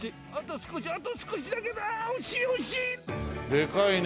でかいね。